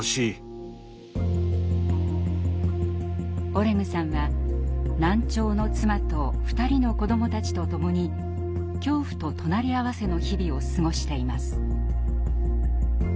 オレグさんは難聴の妻と２人の子どもたちとともに恐怖と隣り合わせの日々を過ごしています。